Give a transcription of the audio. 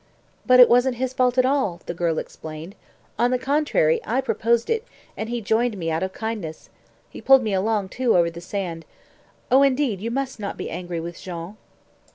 "But it wasn't his fault at all," the girl explained. "On the contrary, I proposed it, and he joined me out of kindness. He pulled me along, too, over the sand. Oh, indeed, you must not be angry with Jean."